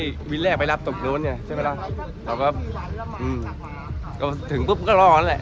เตือนเขาให้ไปรับลูกค้าในห่างจากจุดวินถูกต้องไหม